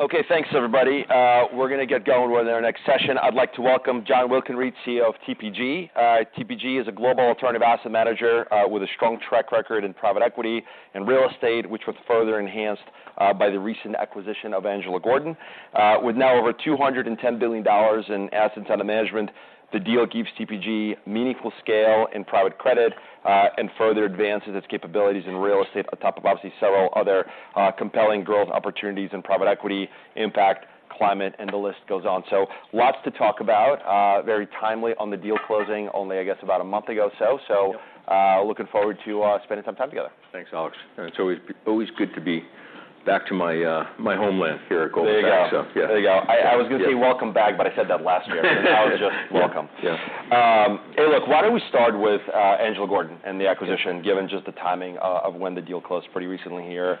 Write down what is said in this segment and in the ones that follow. Okay, thanks, everybody. We're gonna get going with our next session. I'd like to welcome Jon Winkelried, CEO of TPG. TPG is a global alternative asset manager with a strong track record in private equity and real estate, which was further enhanced by the recent acquisition of Angelo Gordon. With now over $210 billion in assets under management, the deal gives TPG meaningful scale in private credit and further advances its capabilities in real estate, on top of, obviously, several other compelling growth opportunities in private equity, impact, climate, and the list goes on. Lots to talk about. Very timely on the deal closing, only about a month ago. So- Yep... looking forward to spending some time together. Thanks, Alex. It's always good to be back to my homeland here at Goldman. There you go. So, yeah. There you go. Yeah. I was gonna say welcome back, but I said that last year. Now, it's just welcome. Yeah, yeah. Hey, look, why don't we start with Angelo Gordon and the acquisition, given just the timing of when the deal closed pretty recently here.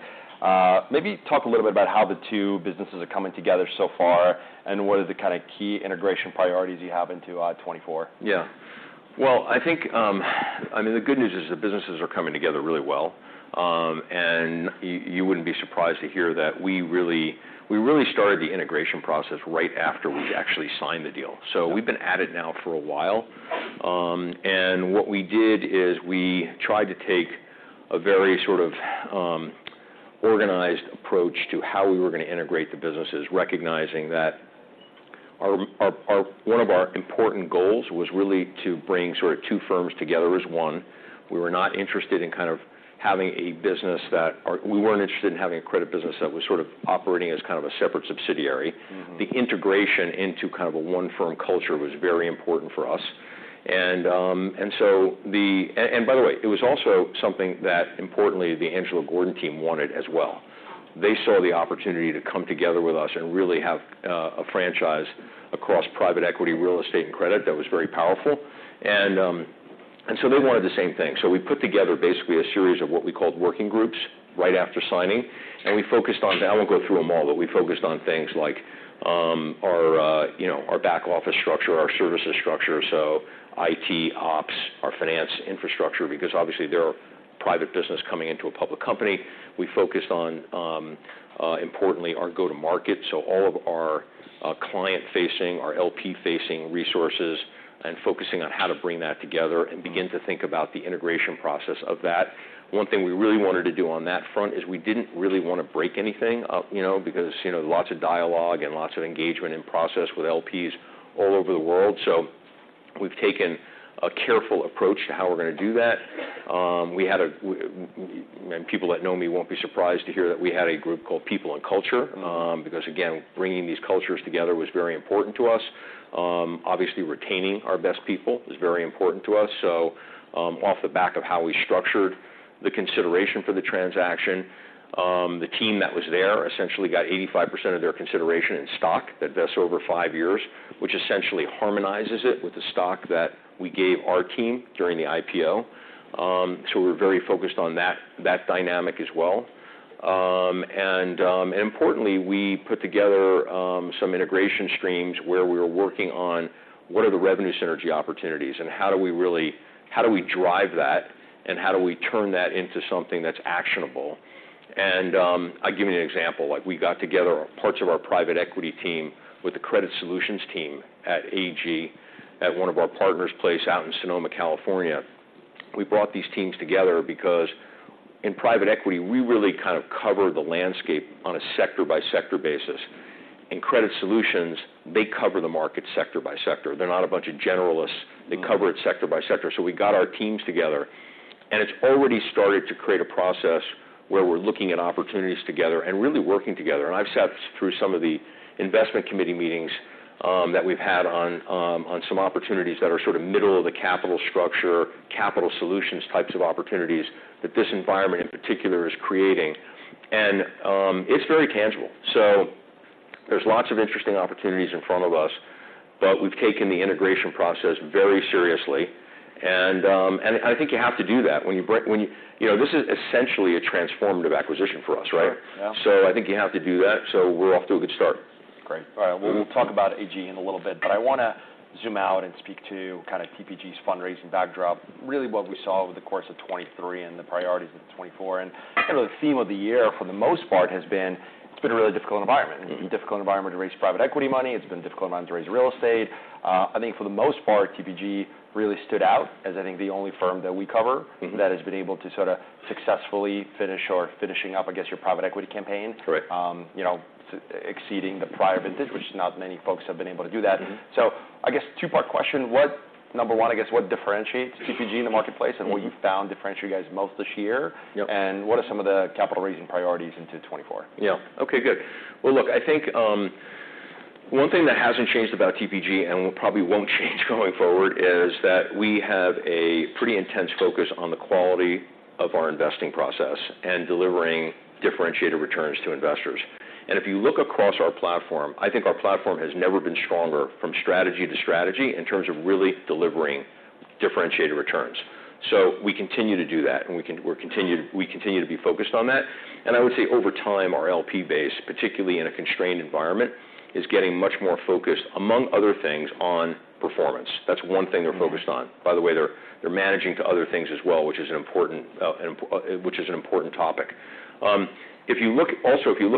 Maybe talk a little bit about how the two businesses are coming together so far, and what are the kind of key integration priorities you have into 2024? Yeah. Well, I think, I mean, the good news is the businesses are coming together really well. And you wouldn't be surprised to hear that we really started the integration process right after we actually signed the deal. So we've been at it now for a while. And what we did is we tried to take a very sort of, organized approach to how we were gonna integrate the businesses, recognizing that one of our important goals was really to bring sort of two firms together as one. We were not interested in having a business that, or we weren't interested in having a credit business that was sort of operating as kind of a separate subsidiary. Mm-hmm. The integration into kind of a one-firm culture was very important for us. And by the way, it was also something that importantly, the Angelo Gordon team wanted as well. They saw the opportunity to come together with us and really have a franchise across private equity, real estate, and credit that was very powerful. And so they wanted the same thing. So we put together basically a series of what we called working groups right after signing, and we focused on. I won't go through them all, but we focused on things like our back-office structure, our services structure, so IT, ops, our finance infrastructure, because obviously they're a private business coming into a public company. We focused on, importantly, our go-to-market, so all of our client-facing, our LP-facing resources, and focusing on how to bring that together and begin to think about the integration process of that. One thing we really wanted to do on that front is we didn't really wanna break anything up, because lots of dialogue and lots of engagement in process with LPs all over the world. So we've taken a careful approach to how we're gonna do that. We had, and people that know me won't be surprised to hear that we had a group called People and Culture, because, again, bringing these cultures together was very important to us. Obviously, retaining our best people is very important to us. So, off the back of how we structured the consideration for the transaction, the team that was there essentially got 85% of their consideration in stock, vested over five years, which essentially harmonizes it with the stock that we gave our team during the IPO. So we're very focused on that, that dynamic as well. And importantly, we put together some integration streams where we were working on what are the revenue synergy opportunities, and how do we really, how do we drive that, and how do we turn that into something that's actionable? And I'll give you an example. Like, we got together parts of our private equity team with the Credit Solutions team at AG, at one of our partners' places out in Sonoma, California. We brought these teams together because in private equity, we really kind of cover the landscape on a sector-by-sector basis. In Credit Solutions, they cover the market sector by sector. They're not a bunch of generalists. Mm-hmm. They cover it sector by sector. So we got our teams together, and it's already started to create a process where we're looking at opportunities together and really working together. And I've sat through some of the investment committee meetings that we've had on some opportunities that are sort of middle of the capital structure, capital solutions types of opportunities that this environment in particular is creating. And it's very tangible. So there's lots of interesting opportunities in front of us, but we've taken the integration process very seriously. And I think you have to do that when you... This is essentially a transformative acquisition for us, right? Yeah. I think you have to do that, so we're off to a good start. Great. All right. Mm-hmm. We'll talk about AG in a little bit, but I wanna zoom out and speak to kind of TPG's fundraising backdrop. Really what we saw over the course of 2023 and the priorities of 2024, and kind of the theme of the year, for the most part, has been, it's been a really difficult environment. Mm-hmm. A difficult environment to raise private equity money. It's been a difficult environment to raise real estate. I think for the most part, TPG really stood out as I think the only firm that we cover- Mm-hmm... that has been able to sort of successfully finish or finishing up, I guess, your private equity campaign. Correct. Exceeding the prior vintage, which not many folks have been able to do that. Mm-hmm. So, I guess, two-part question: Number one, I guess, what differentiates TPG in the marketplace and what you found differentiate you guys most this year? Yep. What are some of the capital raising priorities into 2024? Yeah. Okay, good. Well, look, I think one thing that hasn't changed about TPG, and probably won't change going forward, is that we have a pretty intense focus on the quality of our investing process and delivering differentiated returns to investors. And if you look across our platform, I think our platform has never been stronger from strategy to strategy in terms of really delivering differentiated returns. So we continue to do that, and we continue to be focused on that. And I would say over time, our LP base, particularly in a constrained environment, is getting much more focused, among other things, on performance. That's one thing they're focused on. By the way, they're managing to other things as well, which is an important topic. If you look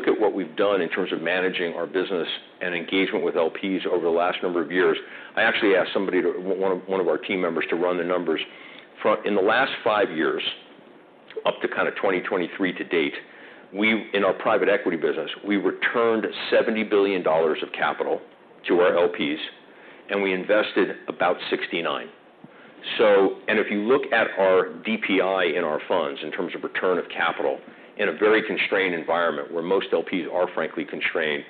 at what we've done in terms of managing our business and engagement with LPs over the last number of years, I actually asked somebody to one of our team members to run the numbers. In the last 5 years, up to kind of 2023 to date, we, in our private equity business, we returned $70 billion of capital to our LPs, and we invested about $69 billion. And if you look at our DPI in our funds, in terms of return of capital, in a very constrained environment where most LPs are frankly constrained,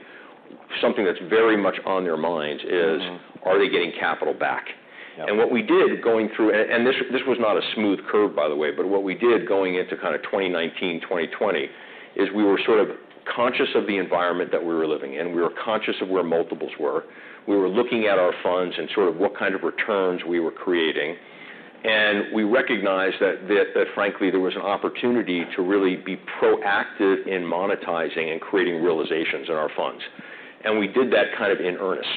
something that's very much on their minds is- Mm-hmm... are they getting capital back? Yeah. What we did going through... this was not a smooth curve, by the way, but what we did going into kind of 2019, 2020, is we were sort of conscious of the environment that we were living in. We were conscious of where multiples were. We were looking at our funds and sort of what kind of returns we were creating. We recognized that, frankly, there was an opportunity to really be proactive in monetizing and creating realizations in our funds. We did that kind of in earnest.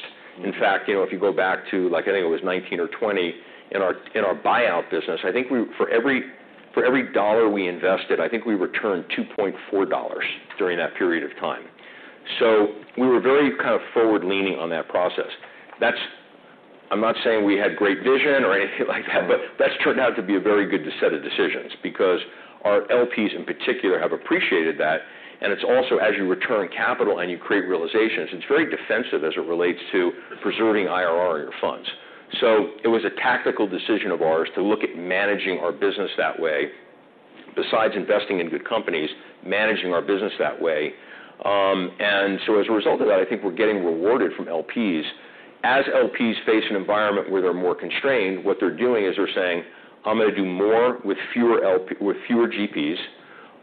In fact, if you go back to, like, I think it was 2019 or 2020, in our buyout business, I think for every dollar we invested, I think we returned $2.4 during that period of time. So we were very kind of forward-leaning on that process. That's. I'm not saying we had great vision or anything like that, but that's turned out to be a very good set of decisions because our LPs in particular have appreciated that, and it's also, as you return capital and you create realizations, it's very defensive as it relates to preserving IRR in your funds. So it was a tactical decision of ours to look at managing our business that way, besides investing in good companies, managing our business that way. And so as a result of that, I think we're getting rewarded from LPs. As LPs face an environment where they're more constrained, what they're doing is they're saying, "I'm gonna do more with fewer GPs.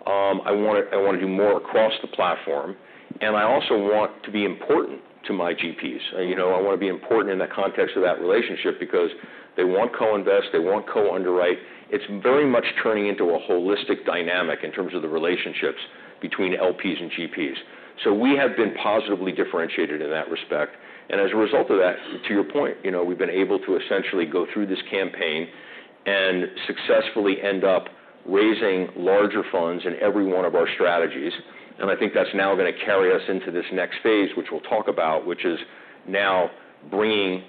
I wanna, I wanna do more across the platform, and I also want to be important to my GPs. I wanna be important in the context of that relationship, because they want co-invest, they want co-underwrite. It's very much turning into a holistic dynamic in terms of the relationships between LPs and GPs. So we have been positively differentiated in that respect, and as a result of that, to your point, we've been able to essentially go through this campaign and successfully end up raising larger funds in every one of our strategies. And I think that's now gonna carry us into this next phase, which we'll talk about, which is now bringing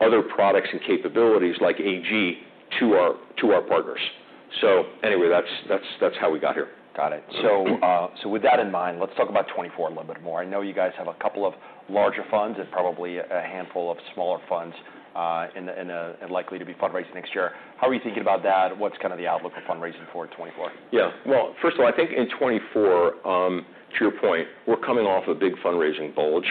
other products and capabilities like AG to our, to our partners. So anyway, that's, that's, that's how we got here. Got it. Mm-hmm. So, with that in mind, let's talk about 2024 a little bit more. I know you guys have a couple of larger funds and probably a handful of smaller funds, and likely to be fundraising next year. How are you thinking about that? What's kind of the outlook for fundraising for 2024? Yeah. Well, first of all, I think in 2024, to your point, we're coming off a big fundraising bulge.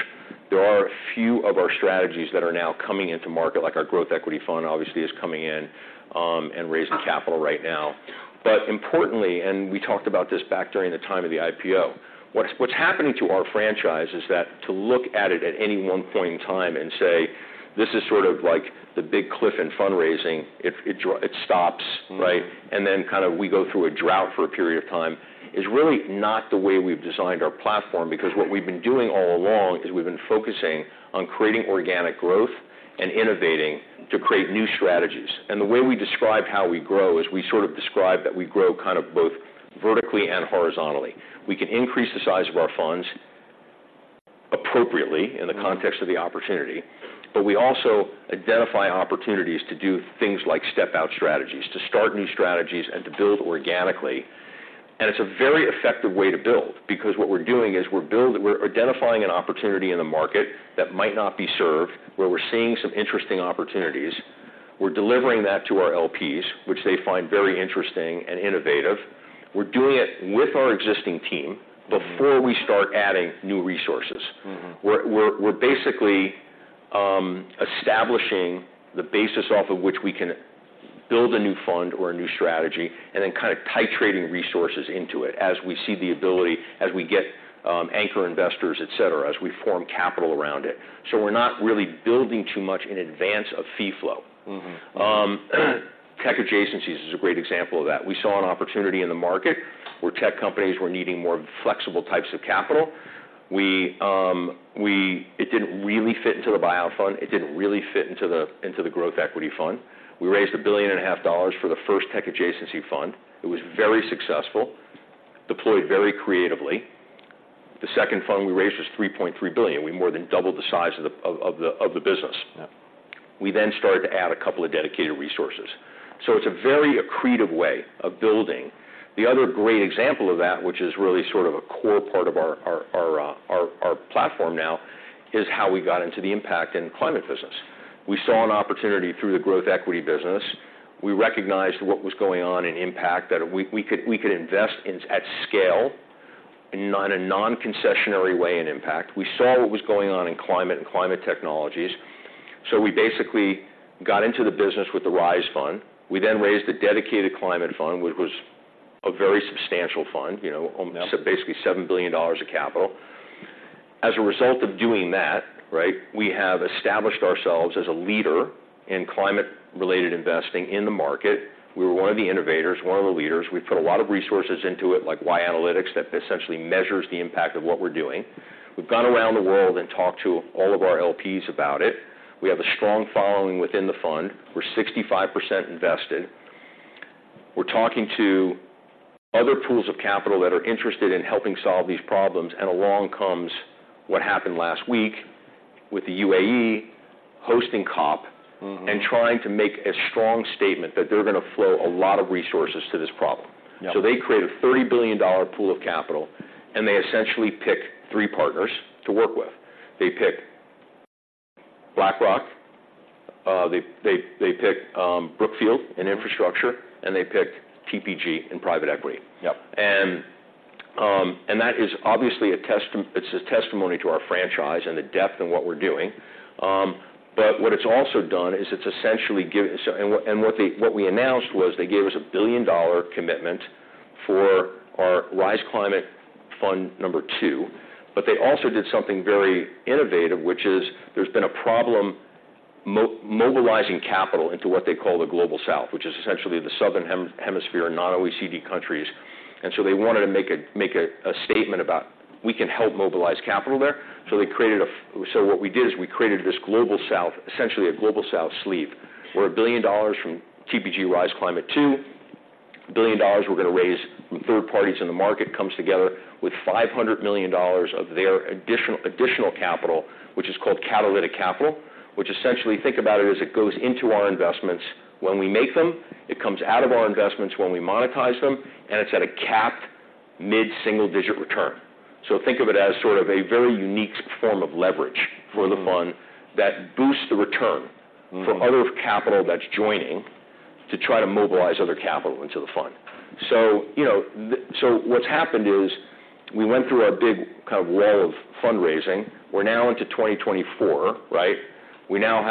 There are a few of our strategies that are now coming into market, like our growth equity fund obviously is coming in, and raising capital right now. But importantly, and we talked about this back during the time of the IPO, what's happening to our franchise is that to look at it at any one point in time and say, "This is sort of like the big cliff in fundraising," it stops. Mm-hmm. And then kind of we go through a drought for a period of time, is really not the way we've designed our platform, because what we've been doing all along is we've been focusing on creating organic growth and innovating to create new strategies. And the way we describe how we grow is we describe that we grow kind of both vertically and horizontally. We can increase the size of our funds appropriately- Mm... in the context of the opportunity, but we also identify opportunities to do things like step-out strategies, to start new strategies and to build organically. And it's a very effective way to build, because what we're doing is we're identifying an opportunity in the market that might not be served, where we're seeing some interesting opportunities. We're delivering that to our LPs, which they find very interesting and innovative. We're doing it with our existing team- Mm-hmm... before we start adding new resources. Mm-hmm. We're basically establishing the basis off of which we can build a new fund or a new strategy, and then kind of titrating resources into it as we see the ability, as we get anchor investors, et cetera, as we form capital around it. So we're not really building too much in advance of fee flow. Mm-hmm. Mm. Tech Adjacencies are a great example of that. We saw an opportunity in the market where tech companies were needing more flexible types of capital. It didn't really fit into the buyout fund. It didn't really fit into the growth equity fund. We raised $1.5 billion for the first Tech Adjacencies fund. It was very successful, deployed very creatively. The second fund we raised was $3.3 billion. We more than doubled the size of the business. Yeah. We then started to add a couple of dedicated resources. So it's a very accretive way of building. The other great example of that, which is really sort of a core part of our platform now, is how we got into the impact in climate business. We saw an opportunity through the growth equity business. We recognized what was going on in impact, that we could invest in at scale, in a non-concessionary way in impact. We saw what was going on in climate and climate technologies, so we basically got into the business with the Rise Fund. We then raised a dedicated climate fund, which was a very substantial fund, you know- Yeah... almost basically $7 billion of capital. As a result of doing that, right, we have established ourselves as a leader in climate-related investing in the market. We were one of the innovators, one of the leaders. We've put a lot of resources into it, like Y Analytics, that essentially measures the impact of what we're doing. We've gone around the world and talked to all of our LPs about it. We have a strong following within the fund. We're 65% invested. We're talking to other pools of capital that are interested in helping solve these problems, and along comes what happened last week with the UAE hosting COP- Mm-hmm. and trying to make a strong statement that they're going to flow a lot of resources to this problem. Yeah. So they created $30 billion pool of capital, and they essentially pick three partners to work with. They pick BlackRock, Brookfield in infrastructure, and they pick TPG in private equity. Yep. And that is obviously a test—it's a testament to our franchise and the depth in what we're doing. But what it's also done is it's essentially given. So, and what, and what the—what we announced was they gave us a billion-dollar commitment for our Rise Climate Fund number 2, but they also did something very innovative, which is there's been a problem mobilizing capital into what they call the Global South, which is essentially the Southern Hemisphere, non-OECD countries. And so they wanted to make a statement about we can help mobilize capital there. So they created a... So what we did is we created this Global South, essentially a Global South sleeve, where $1 billion from TPG Rise Climate II, $1 billion we're going to raise from third parties in the market, comes together with $500 million of their additional capital, which is called catalytic capital, which essentially, think about it, as it goes into our investments when we make them, it comes out of our investments when we monetize them, and it's at a capped mid-single-digit return. So think of it as sort of a very unique form of leverage for the fund that boosts the return- Mm. for other capital that's joining to try to mobilize other capital into the fund. So, what's happened is we went through a big kind of lull of fundraising. We're now into 2024, right? We've now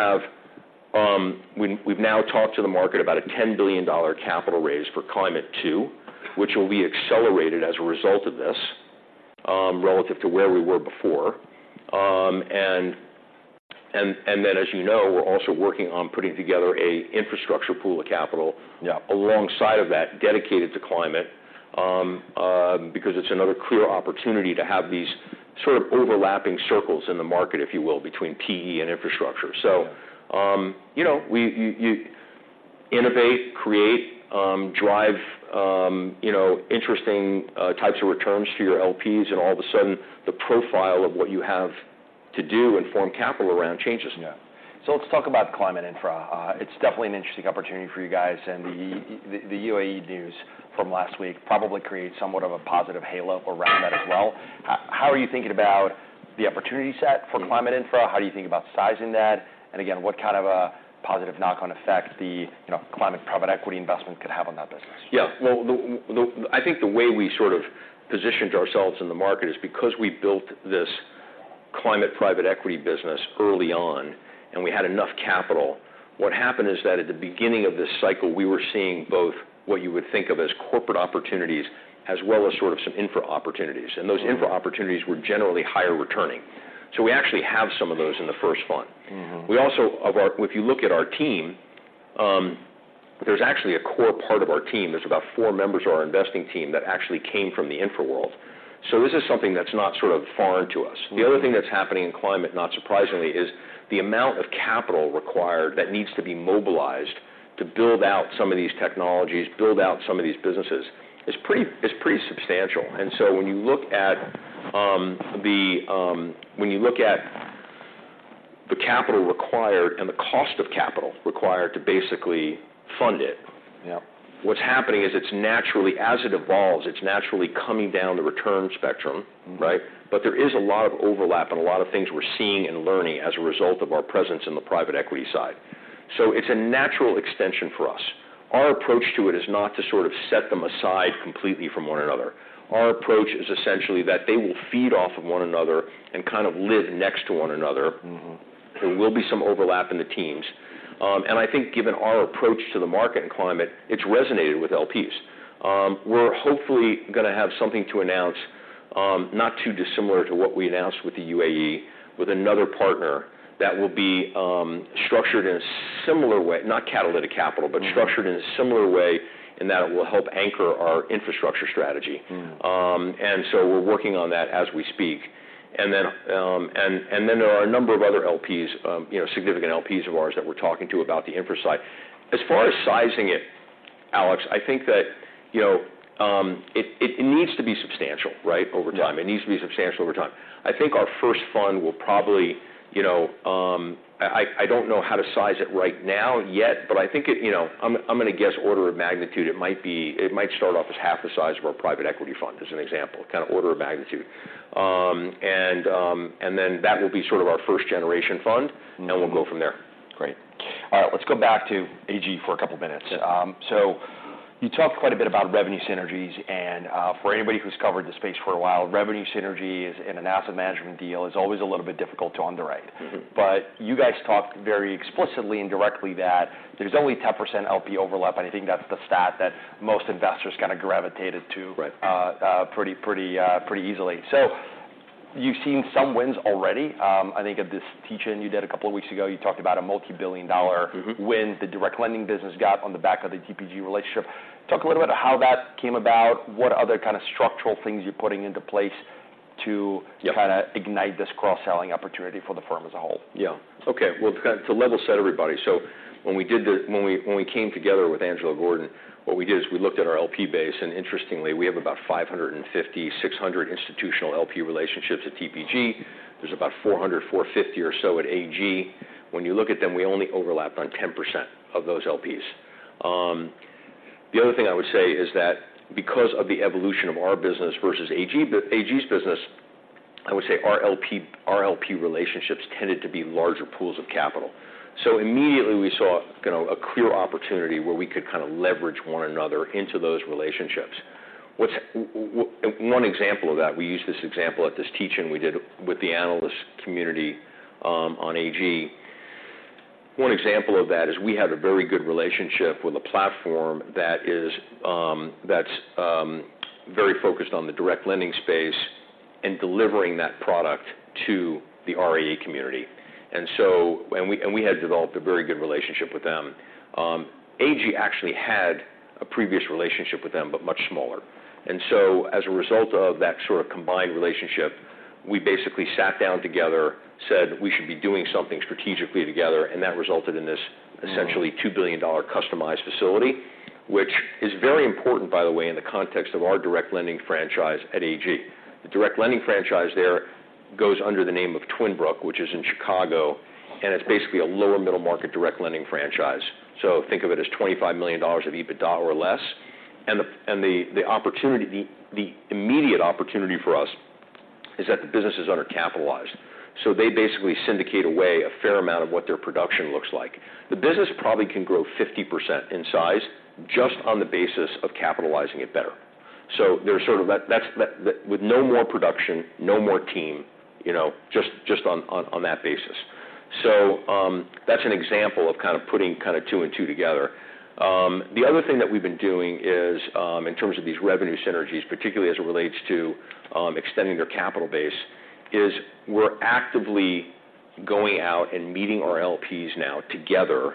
talked to the market about a $10 billion capital raise for Climate II, which will be accelerated as a result of this, relative to where we were before. And then, as we're also working on putting together a infrastructure pool of capital- Yeah... alongside of that, dedicated to climate, because it's another clear opportunity to have these sort of overlapping circles in the market, if you will, between PE and infrastructure. So, you innovate, create, drive, interesting types of returns for your LPs, and all of a sudden, the profile of what you have to do and form capital around changes. Yeah. So let's talk about climate infra. It's definitely an interesting opportunity for you guys, and the- Mm-hmm... the UAE news from last week probably creates somewhat of a positive halo around that as well. How are you thinking about the opportunity set for climate infra? Mm. How do you think about sizing that? And again, what kind of a positive knock-on effect the climate private equity investment could have on that business? Yeah. Well, I think the way we sort of positioned ourselves in the market is because we built this climate private equity business early on, and we had enough capital. What happened is that at the beginning of this cycle, we were seeing both what you would think of as corporate opportunities, as well as sort of some infra opportunities, and those- Mm... infra opportunities were generally higher returning. So we actually have some of those in the first fund. Mm-hmm. We also, if you look at our team, there's actually a core part of our team, there's about four members of our investing team, that actually came from the infra world. So this is something that's not sort of foreign to us. Mm-hmm. The other thing that's happening in climate, not surprisingly, is the amount of capital required that needs to be mobilized to build out some of these technologies, build out some of these businesses, is pretty substantial. And so when you look at the capital required and the cost of capital required to basically fund it- Yep ... what's happening is it's naturally, as it evolves, it's naturally coming down the return spectrum, right? Mm-hmm. But there is a lot of overlap and a lot of things we're seeing and learning as a result of our presence in the private equity side. So it's a natural extension for us. Our approach to it is not to sort of set them aside completely from one another. Our approach is essentially that they will feed off of one another and kind of live next to one another. Mm-hmm. There will be some overlap in the teams. I think given our approach to the market and climate, it's resonated with LPs. We're hopefully going to have something to announce, not too dissimilar to what we announced with the UAE, with another partner, that will be structured in a similar way - not catalytic capital - Mm-hmm... but structured in a similar way, in that it will help anchor our infrastructure strategy. Mm. We're working on that as we speak. Yeah. And then there are a number of other LPs, significant LPs of ours, that we're talking to about the infra side. As far as sizing it, Alex, I think that it needs to be substantial, right, over time. Yeah. It needs to be substantial over time. I think our first fund will probably, I don't know how to size it right now yet, but I think it, I'm going to guess order of magnitude. It might be, it might start off as half the size of our private equity fund, as an example, kind of order of magnitude. And then that will be sort of our first-generation fund- Mm... and then we'll go from there. Great. All right, let's go back to AG for a couple minutes. Yeah. You talked quite a bit about revenue synergies, and for anybody who's covered this space for a while, revenue synergies in an asset management deal is always a little bit difficult to underwrite. Mm-hmm. But you guys talked very explicitly and directly that there's only 10% LP overlap, and I think that's the stat that most investors kind of gravitated to- Right... pretty easily. So, you've seen some wins already. I think at this teach-in you did a couple of weeks ago, you talked about a multi-billion-dollar- Mm-hmm When the direct lending business got on the back of the TPG relationship. Talk a little bit about how that came about, what other kind of structural things you're putting into place to- Yeah ignite this cross-selling opportunity for the firm as a whole? Yeah. Okay, well, to level set everybody, so when we came together with Angelo Gordon, what we did is we looked at our LP base, and interestingly, we have about 550-600 institutional LP relationships at TPG. There's about 400-450 or so at AG. When you look at them, we only overlapped on 10% of those LPs. The other thing I would say is that because of the evolution of our business versus AG's business, I would say our LP relationships tended to be larger pools of capital. So immediately we saw a clear opportunity where we could kind of leverage one another into those relationships. One example of that, we used this example at this teach-in we did with the analyst community on AG. One example of that is we had a very good relationship with a platform that is very focused on the direct lending space and delivering that product to the RIA community. And we had developed a very good relationship with them. AG actually had a previous relationship with them, but much smaller. So as a result of that sort of combined relationship, we basically sat down together, said we should be doing something strategically together, and that resulted in this essentially $2 billion customized facility, which is very important, by the way, in the context of our direct lending franchise at AG. The direct lending franchise there goes under the name of Twin Brook, which is in Chicago, and it's basically a lower middle market direct lending franchise. So think of it as $25 million of EBITDA or less. The immediate opportunity for us is that the business is undercapitalized, so they basically syndicate away a fair amount of what their production looks like. The business probably can grow 50% in size just on the basis of capitalizing it better. So there's sort of that, with no more production, no more team just on that basis. So, that's an example of kind of putting kind of two and two together. The other thing that we've been doing is, in terms of these revenue synergies, particularly as it relates to extending their capital base, is we're actively going out and meeting our LPs now together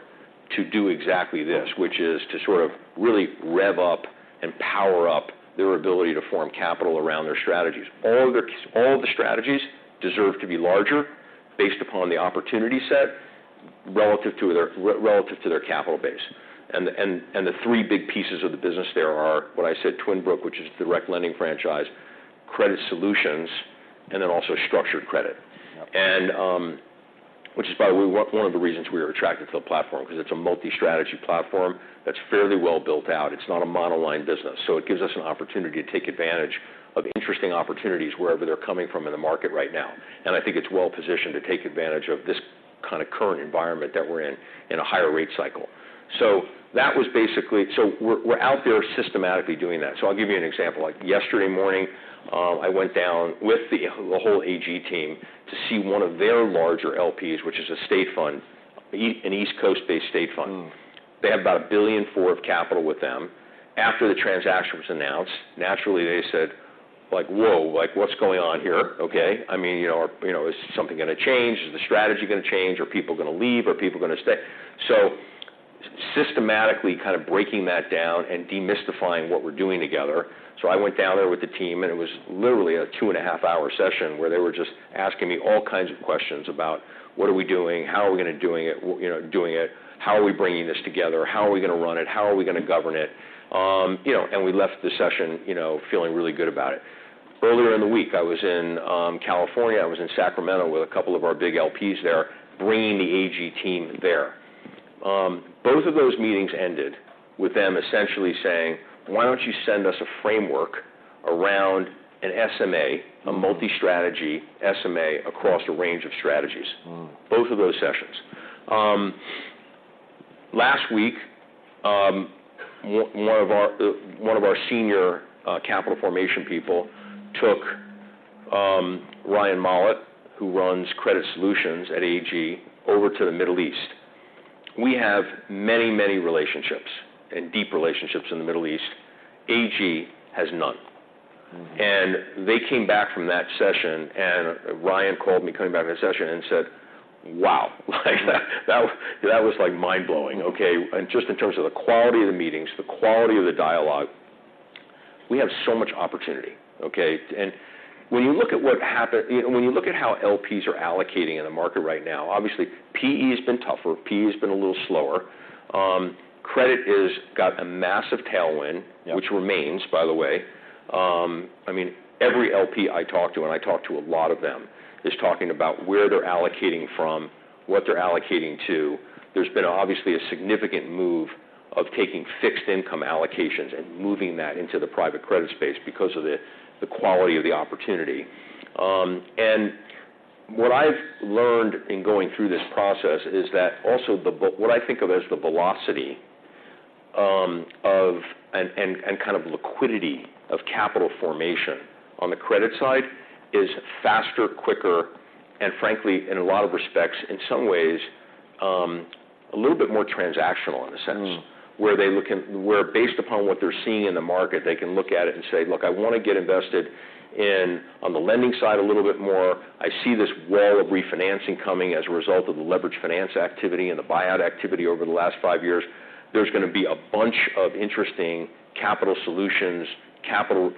to do exactly this, which is to sort of really rev up and power up their ability to form capital around their strategies. All the strategies deserve to be larger based upon the opportunity set relative to their capital base. And the three big pieces of the business there are, what I said, Twin Brook, which is the direct lending franchise, Credit Solutions, and then also Structured Credit. Yeah. And, which is probably one of the reasons we were attracted to the platform, because it's a multi-strategy platform that's fairly well built out. It's not a monoline business. So it gives us an opportunity to take advantage of interesting opportunities wherever they're coming from in the market right now. And I think it's well positioned to take advantage of this kind of current environment that we're in, in a higher rate cycle. So that was basically... So we're out there systematically doing that. So I'll give you an example. Like yesterday morning, I went down with the whole AG team to see one of their larger LPs, which is a state fund, an East Coast-based state fund. Mm. They had about $1.4 billion of capital with them. After the transaction was announced, naturally they said, like: "Whoa, like, what's going on here?" Okay. I mean or "Is something gonna change? Is the strategy gonna change, or are people gonna leave, or are people gonna stay?" So systematically kind of breaking that down and demystifying what we're doing together. So I went down there with the team, and it was literally a 2.5-hour session where they were just asking me all kinds of questions about, What are we doing? How are we gonna doing it? How are we bringing this together? How are we gonna run it? How are we gonna govern it? And we left the session, feeling really good about it. Earlier in the week, I was in California. I was in Sacramento with a couple of our big LPs there, bringing the AG team there. Both of those meetings ended with them essentially saying: Why don't you send us a framework around an SMA, a multi-strategy SMA, across a range of strategies? Mm. Both of those sessions. Last week, one of our senior capital formation people took Ryan Mollett, who runs Credit Solutions at AG, over to the Middle East. We have many, many relationships and deep relationships in the Middle East. AG has none. Mm. They came back from that session, and Ryan called me coming back from the session and said, "Wow!" Like that, that was, that was like mind-blowing. Okay, and just in terms of the quality of the meetings, the quality of the dialogue, we have so much opportunity, okay? And when you look at what happened... When you look at how LPs are allocating in the market right now, obviously, PE has been tougher. PE has been a little slower. Credit got a massive tailwind- Yeah... which remains, by the way. I mean, every LP I talk to, and I talk to a lot of them, is talking about where they're allocating from, what they're allocating to. There's been obviously a significant move of taking fixed income allocations and moving that into the private credit space because of the quality of the opportunity. And what I've learned in going through this process is that also what I think of as the velocity of kind of liquidity of capital formation on the credit side is faster, quicker and frankly, in a lot of respects, in some ways, a little bit more transactional in a sense. Mm. Where based upon what they're seeing in the market, they can look at it and say: "Look, I wanna get invested in on the lending side a little bit more. I see this wall of refinancing coming as a result of the leverage finance activity and the buyout activity over the last five years." There's gonna be a bunch of interesting capital solutions, capital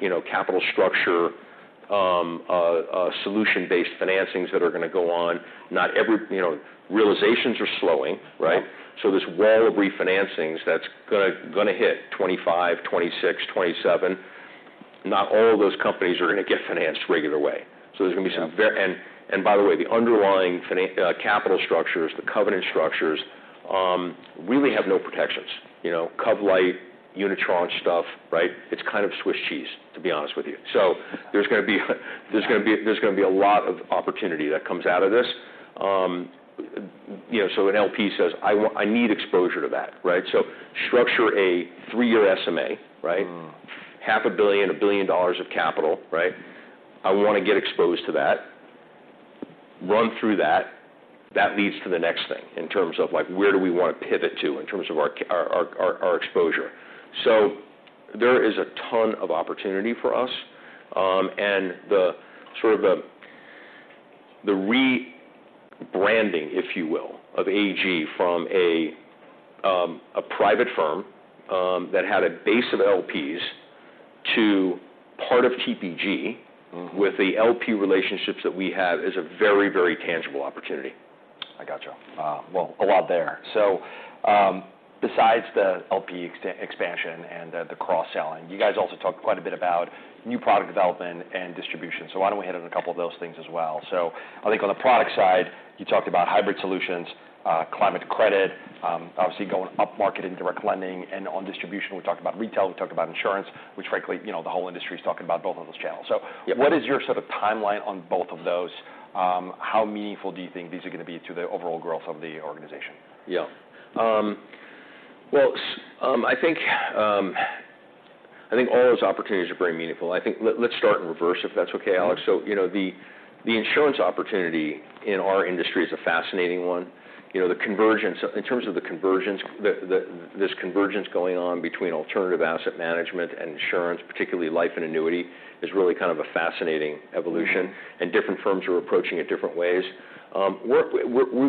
structure, solution-based financings that are gonna go on. Not every, realizations are slowing. Yeah. So this wall of refinancings that's gonna hit 2025, 2026, 2027, not all of those companies are gonna get financed regular way. So there's gonna be some very- Yeah. By the way, the underlying capital structures, the covenant structures, really have no protections, cov-lite, unitranche stuff, right? It's kind of Swiss cheese, to be honest with you. So there's gonna be a lot of opportunity that comes out of this. You know, so an LP says, "I need exposure to that," right? So structure a three-year SMA. Mm. $500 million-$1 billion of capital, right? I wanna get exposed to that. Run through that. That leads to the next thing in terms of like, where do we want to pivot to in terms of our exposure. So there is a ton of opportunity for us. And the sort of rebranding, if you will, of AG from a private firm that had a base of LPs to part of TPG- Mm-hmm... with the LP relationships that we have, is a very, very tangible opportunity. I got you. Well, a lot there. So, besides the LP expansion and the, the cross-selling, you guys also talked quite a bit about new product development and distribution. So why don't we hit on a couple of those things as well? So I think on the product side, you talked about hybrid solutions, climate credit, obviously going upmarket in direct lending, and on distribution, we talked about retail, we talked about insurance, which frankly, the whole industry is talking about both of those channels. Yeah. So what is your sort of timeline on both of those? How meaningful do you think these are gonna be to the overall growth of the organization? Yeah. Well, I think, I think all those opportunities are very meaningful. I think let's start in reverse, if that's okay, Alex. Sure. The insurance opportunity in our industry is a fascinating one. The convergence, in terms of the convergence, this convergence going on between alternative asset management and insurance, particularly life and annuity, is really kind of a fascinating evolution. Mm. Different firms are approaching it different ways.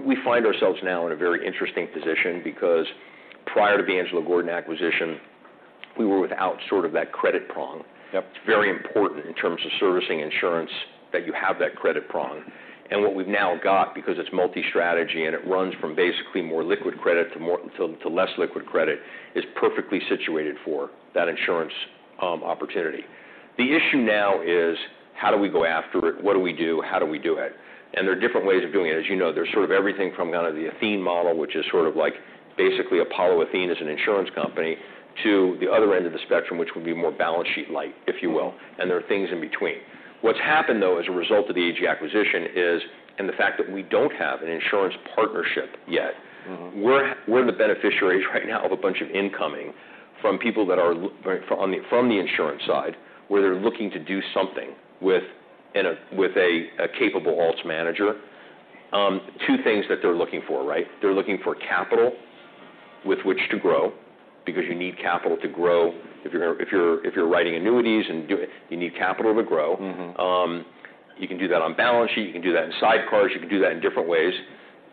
We find ourselves now in a very interesting position because prior to the Angelo Gordon acquisition, we were without sort of that credit prong. Yep. It's very important in terms of servicing insurance, that you have that credit prong. What we've now got, because it's multi-strategy and it runs from basically more liquid credit to less liquid credit, is perfectly situated for that insurance opportunity. The issue now is, how do we go after it? What do we do? How do we do it? And there are different ways of doing it. As there's sort of everything from kind of the Athene model, which is sort of like basically Apollo-Athene as an insurance company, to the other end of the spectrum, which would be more balance sheet-like, if you will. Mm. And there are things in between. What's happened, though, as a result of the AG acquisition is... And the fact that we don't have an insurance partnership yet- Mm-hmm... we're the beneficiaries right now of a bunch of incoming from people that are from the insurance side, where they're looking to do something with a capable alts manager. Two things that they're looking for, right? They're looking for capital with which to grow, because you need capital to grow. If you're writing annuities, you need capital to grow. Mm-hmm. You can do that on balance sheet, you can do that in sidecars, you can do that in different ways.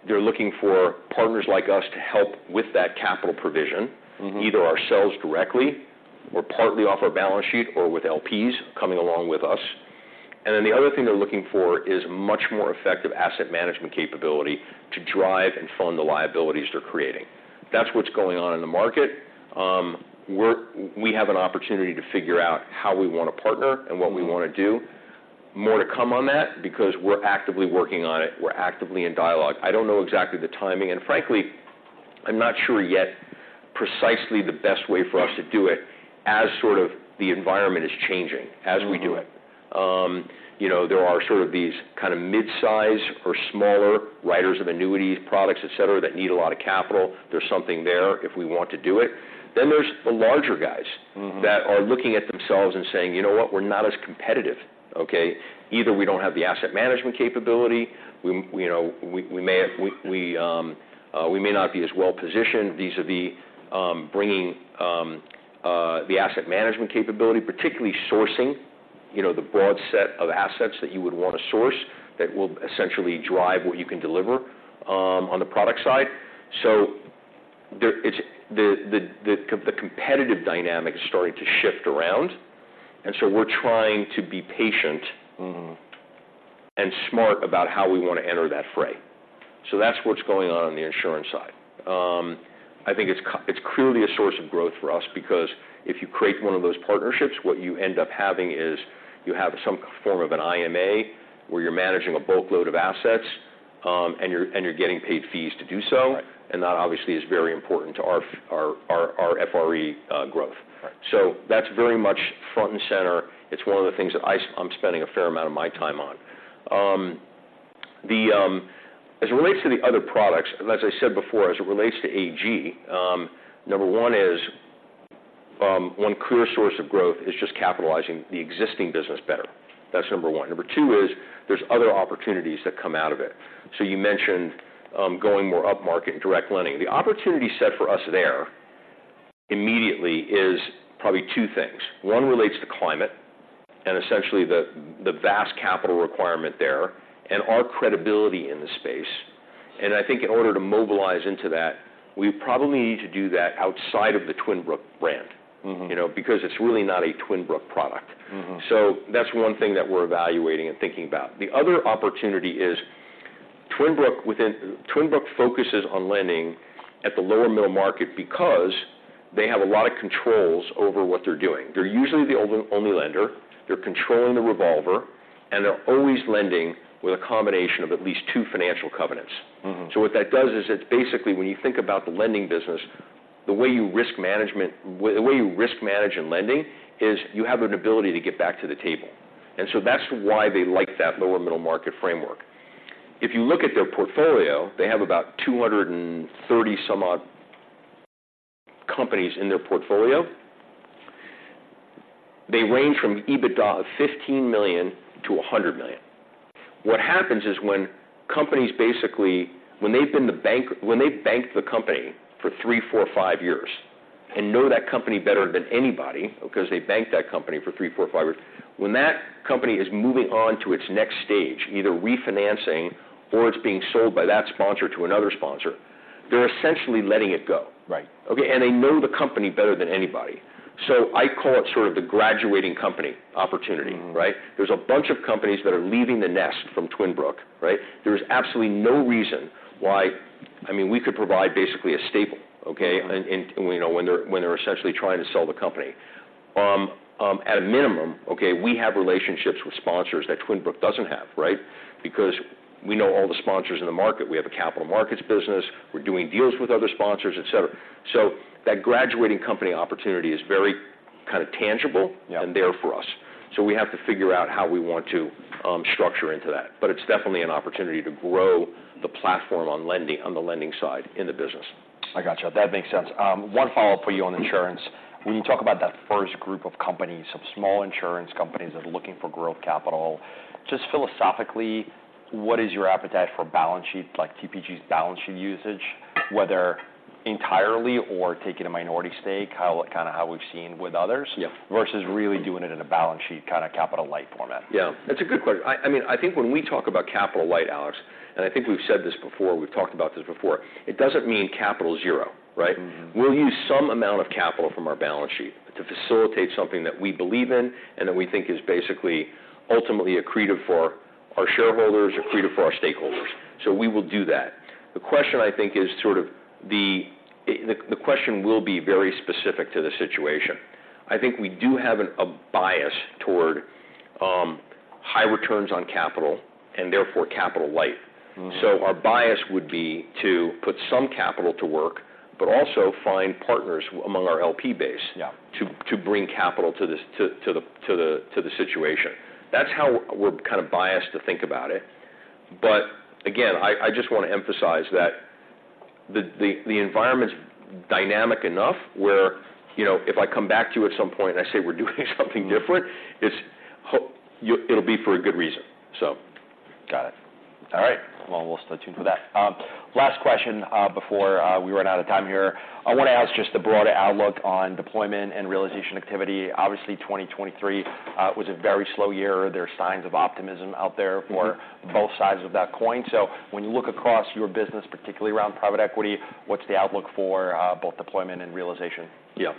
They're looking for partners like us to help with that capital provision- Mm-hmm... either ourselves directly or partly off our balance sheet or with LPs coming along with us. And then the other thing they're looking for is much more effective asset management capability to drive and fund the liabilities they're creating. That's what's going on in the market. We're we have an opportunity to figure out how we want to partner and what we want to do. More to come on that, because we're actively working on it. We're actively in dialogue. I don't know exactly the timing, and frankly, I'm not sure yet precisely the best way for us to do it, as sort of the environment is changing- Mm... as we do it. There are sort of these kind of mid-size or smaller writers of annuity products, et cetera, that need a lot of capital. There's something there if we want to do it. Then there's the larger guys- Mm-hmm... that are looking at themselves and saying: You know what? We're not as competitive, okay? Either we don't have the asset management capability, we may not be as well positioned. These are bringing the asset management capability, particularly sourcing, the broad set of assets that you would want to source, that will essentially drive what you can deliver on the product side. So there, it's. The competitive dynamic is starting to shift around, and so we're trying to be patient- Mm-hmm... and smart about how we want to enter that fray. So that's what's going on on the insurance side. I think it's clearly a source of growth for us because if you create one of those partnerships, what you end up having is, you have some form of an IMA, where you're managing a bulk load of assets, and you're getting paid fees to do so. Right. And that obviously is very important to our FRE growth. Right. So that's very much front and center. It's one of the things that I'm spending a fair amount of my time on. As it relates to the other products, and as I said before, as it relates to AG, one clear source of growth is just capitalizing the existing business better. That's number one. Number two is there's other opportunities that come out of it. So you mentioned, going more upmarket in direct lending. The opportunity set for us there immediately is probably two things. One relates to climate, and essentially, the vast capital requirement there, and our credibility in the space. And I think in order to mobilize into that, we probably need to do that outside of the Twin Brook brand. Mm-hmm. Because it's really not a Twin Brook product. Mm-hmm. So that's one thing that we're evaluating and thinking about. The other opportunity is Twin Brook within, Twin Brook focuses on lending at the lower middle market because they have a lot of controls over what they're doing. They're usually the only, only lender, they're controlling the revolver, and they're always lending with a combination of at least two financial covenants. Mm-hmm. So what that does is, it's basically when you think about the lending business, the way you risk management, the way you risk manage in lending, is you have an ability to get back to the table. And so that's why they like that lower middle market framework. If you look at their portfolio, they have about 230-some odd companies in their portfolio. They range from EBITDA of $15 million to $100 million. What happens is, when companies basically, when they've banked the company for 3, 4, 5 years, and know that company better than anybody, because they banked that company for 3, 4, 5 years, when that company is moving on to its next stage, either refinancing or it's being sold by that sponsor to another sponsor, they're essentially letting it go. Right. Okay, and they know the company better than anybody. So I call it sort of the graduating company opportunity, right? Mm-hmm. There's a bunch of companies that are leaving the nest from Twin Brook, right? There's absolutely no reason why... I mean, we could provide basically a staple, okay? Mm-hmm. When they're essentially trying to sell the company. At a minimum, we have relationships with sponsors that Twin Brook doesn't have, right? Because we know all the sponsors in the market. We have a capital markets business, we're doing deals with other sponsors, et cetera. So that graduating company opportunity is very kind of tangible- Yeah -and there for us. So we have to figure out how we want to structure into that. But it's definitely an opportunity to grow the platform on lending, on the lending side in the business. I got you. That makes sense. One follow-up for you on insurance. When you talk about that first group of companies, some small insurance companies that are looking for growth capital, just philosophically, what is your appetite for balance sheet, like TPG's balance sheet usage, whether entirely or taking a minority stake, how, kind of how we've seen with others- Yeah versus really doing it in a balance sheet, kind of capital light format? Yeah, that's a good question. I, I mean, I think when we talk about capital light, Alex, and I think we've said this before, we've talked about this before, it doesn't mean capital zero, right? Mm-hmm. We'll use some amount of capital from our balance sheet to facilitate something that we believe in and that we think is basically ultimately accretive for our shareholders, accretive for our stakeholders. So we will do that. The question, I think, is sort of the question will be very specific to the situation. I think we do have an, a bias toward, high returns on capital, and therefore capital light. Mm-hmm. Our bias would be to put some capital to work, but also find partners among our LP base- Yeah To bring capital to this, to the situation. That's how we're kind of biased to think about it. But again, I just want to emphasize that the environment's dynamic enough where, if I come back to you at some point, and I say we're doing something different, it'll be for a good reason, so. Got it. All right. Well, we'll stay tuned for that. Last question, before we run out of time here. I want to ask just the broader outlook on deployment and realization activity. Obviously, 2023 was a very slow year. There are signs of optimism out there- Mm-hmm For both sides of that coin. So when you look across your business, particularly around private equity, what's the outlook for both deployment and realization? Yeah.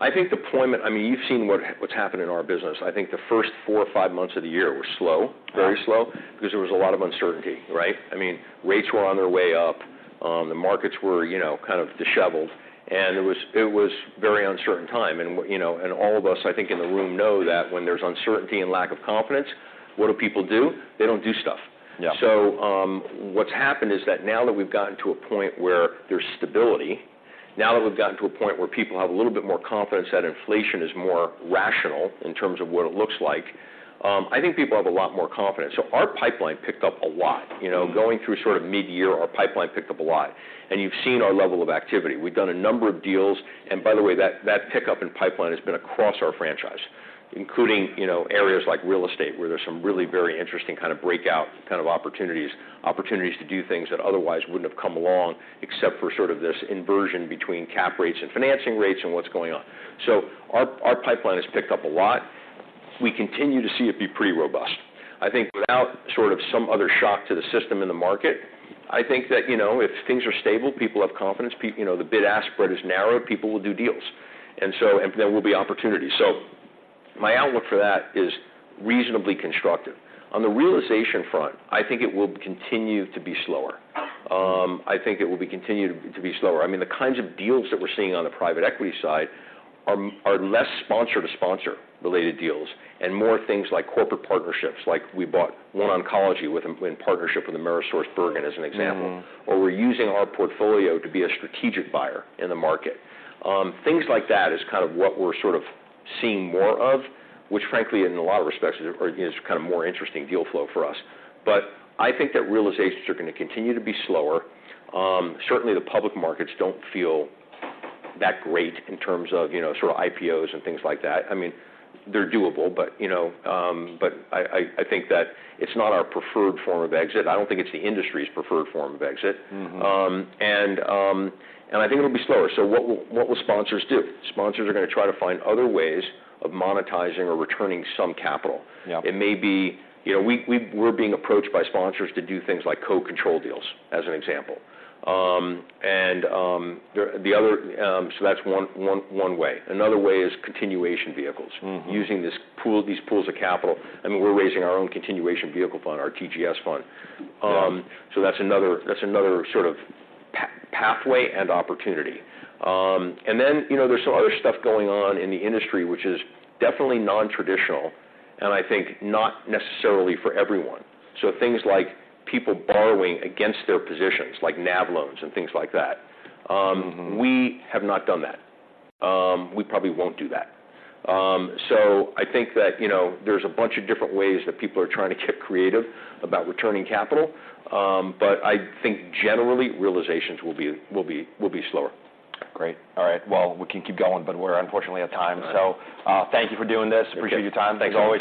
I think deployment-- I mean, you've seen what, what's happened in our business. I think the first four or five months of the year were slow- Yeah... very slow, because there was a lot of uncertainty, right? I mean, rates were on their way up, the markets were kind of disheveled, and it was, it was very uncertain time. And all of us, I think, in the room know that when there's uncertainty and lack of confidence, what do people do? They don't do stuff. Yeah. So, what's happened is that now that we've gotten to a point where there's stability, now that we've gotten to a point where people have a little bit more confidence that inflation is more rational in terms of what it looks like, I think people have a lot more confidence. So our pipeline picked up a lot. You know- Mm-hmm... going through sort of midyear, our pipeline picked up a lot. You've seen our level of activity. We've done a number of deals, and by the way, that, that pickup in pipeline has been across our franchise, including areas like real estate, where there's some really very interesting kind of breakout kind of opportunities, opportunities to do things that otherwise wouldn't have come along, except for sort of this inversion between cap rates and financing rates and what's going on. Our, our pipeline has picked up a lot. We continue to see it be pretty robust. I think without sort of some other shock to the system in the market, I think that, if things are stable, people have confidence, the bid-ask spread is narrow, people will do deals, and so, and there will be opportunities. So my outlook for that is reasonably constructive. On the realization front, I think it will continue to be slower. I mean, the kinds of deals that we're seeing on the private equity side are less sponsor to sponsor related deals, and more things like corporate partnerships, like we bought OneOncology with them, in partnership with AmerisourceBergen, as an example. Mm-hmm. Or we're using our portfolio to be a strategic buyer in the market. Things like that is kind of what we're sort of seeing more of, which frankly, in a lot of respects, is kind of more interesting deal flow for us. But I think that realizations are going to continue to be slower. Certainly, the public markets don't feel that great in terms of IPOs and things like that. I mean, they're doable, but I think that it's not our preferred form of exit. I don't think it's the industry's preferred form of exit. Mm-hmm. I think it'll be slower. So what will sponsors do? Sponsors are going to try to find other ways of monetizing or returning some capital. Yeah. It may be, we're being approached by sponsors to do things like co-control deals, as an example. And the other... So that's one way. Another way is continuation vehicles. Mm-hmm. Using these pools of capital. I mean, we're raising our own continuation vehicle fund, our TPG fund. Yeah. So that's another sort of pathway and opportunity. And then, there's some other stuff going on in the industry, which is definitely non-traditional, and I think not necessarily for everyone. So things like people borrowing against their positions, like NAV loans and things like that. Mm-hmm. We have not done that. We probably won't do that. So I think that, here's a bunch of different ways that people are trying to get creative about returning capital. But I think generally, realizations will be slower. Great. All right. Well, we can keep going, but we're unfortunately out of time. All right. So, thank you for doing this. Okay. Appreciate your time. Thanks, all.